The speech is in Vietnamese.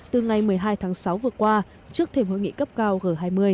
từ ngày một mươi hai tháng sáu vừa qua trước thềm hội nghị cấp cao g hai mươi